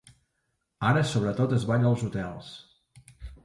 Ara sobretot es balla als hotels.